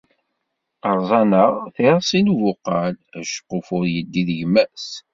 Rẓan-aɣ tirẓi n ubuqal, aceqquf ur yeddi d gma-s.